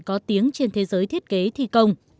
có tiếng trên thế giới thiết kế thi công